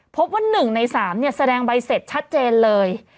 พบว่า๑ใน๓แสดงใบเสร็จชัดเจนเลย